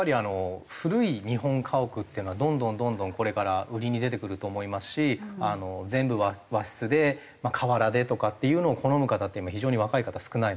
古い日本家屋っていうのはどんどんどんどんこれから売りに出てくると思いますし全部和室で瓦でとかっていうのを好む方って今非常に若い方少ないので。